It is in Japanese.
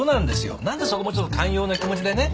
何でそこもうちょっと寛容な気持ちでね